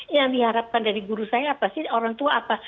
yang diharapkan dari guru saya apa sih orang tua apa